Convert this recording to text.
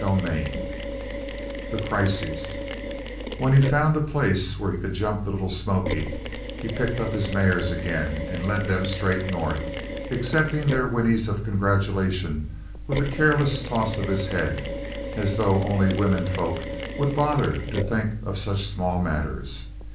CHAPTER XXIV THE CRISIS When he found a place where he could jump the Little Smoky he picked up his mares again and led them straight north, accepting their whinnies of congratulation with a careless toss of his head as though only women folk would bother to think of such small matters.